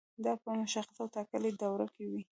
دا په مشخصه او ټاکلې دوره کې وي.